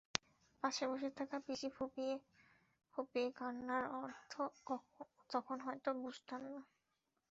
পাশে বসে থাকা পিসির ফুঁপিয়ে ফুঁপিয়ে কান্নার অর্থ তখন হয়তো বুঝতাম না।